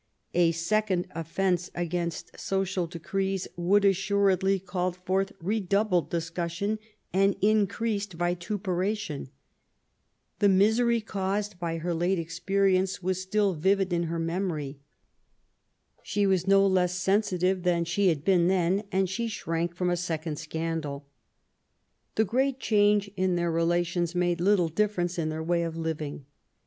A second offence against social decrees would assuredly call forth redoubled discussion and in creased vituperation. The misery caused by her late experience was still vivid in her memory. She was no less sensitive than she had been then, and she shrank from a second scandal. The great change in their relations made little differ ence in their way of living.